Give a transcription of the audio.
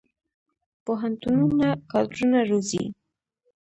پوهنتونونه کادرونه روزي